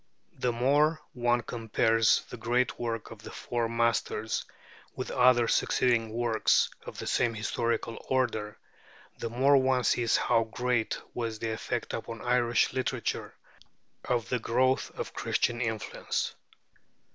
The more one compares the great work of the Four Masters with other succeeding works of the same historical order, the more one sees how great was the effect upon Irish literature of the growth of Christian influence.